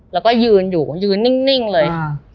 แล้วก็ยืนอยู่ยืนนิ่งเลย